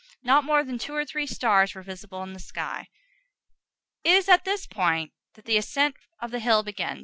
Not more than two or three stars were visible in the sky. It is at this point that the ascent of the hill begins.